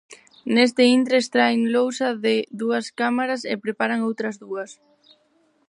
Neste intre extraen lousa de dúas cámaras e preparan outras dúas.